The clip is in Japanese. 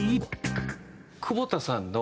久保田さんだ！